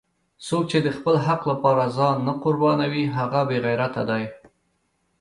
څوک چې د خپل حق لپاره ځان نه قربانوي هغه بېغیرته دی!